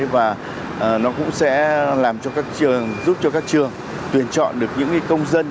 và nó cũng sẽ giúp cho các trường tuyển chọn được những công dân